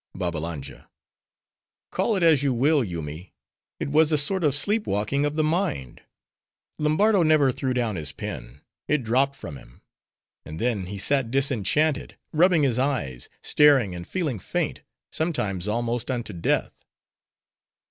BABBALANJA.—Call it as you will, Yoomy, it was a sort of sleep walking of the mind. Lombardo never threw down his pen: it dropped from him; and then, he sat disenchanted: rubbing his eyes; staring; and feeling faint—sometimes, almost unto death.